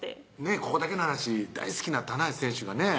ここだけの話大好きな棚橋選手がね